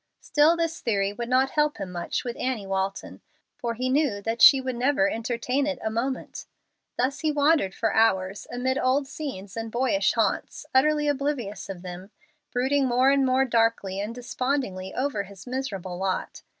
Still this theory would not help him much with Annie Walton, for he knew that she would never entertain it a moment. Thus he wandered for hours amid old scenes and boyish haunts, utterly oblivious of them, brooding more and more darkly and despondingly over his miserable lot.